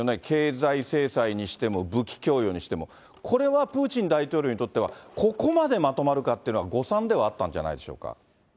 経済制裁にしても武器供与にしても。これはプーチン大統領にとっては、ここまでまとまるかっていうのは、誤算ではあったんじゃないでしょうか。